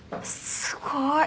すごい！